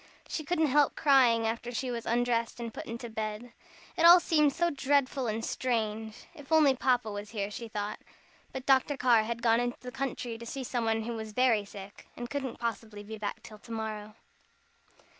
She couldn't help crying after she was undressed and put into bed. It all seemed so dreadful and strange. If only Papa was here, she thought. But Dr. Carr had gone into the country to see somebody who was very sick, and couldn't possibly be back till to morrow.